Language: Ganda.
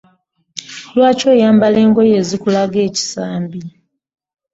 Lwaki oyambala engoye ezikulaga ekisambi?